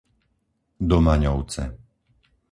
Domaňovce